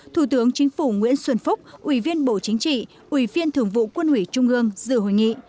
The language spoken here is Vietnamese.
thủ tướng chính phủ nguyễn xuân phúc ủy viên bộ chính trị ủy viên thường vụ quân ủy trung ương dự hội nghị